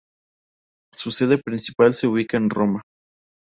Su sede principal se ubica en Roma.